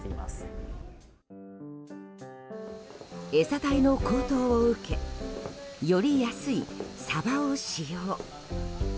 餌代の高騰を受けより安いサバを使用。